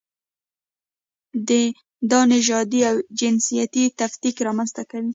دا نژادي او جنسیتي تفکیک رامنځته کوي.